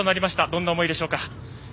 どんな思いでしょうか。